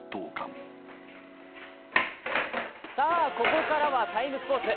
ここからは「ＴＩＭＥ，スポーツ」。